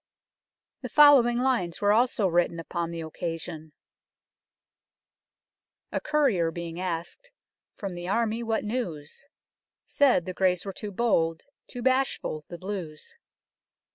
The following lines were also written upon the occasion " A Courier being ask'd, from the Army what news ? Said, the Greys were too bold, too bashfull the Bleus."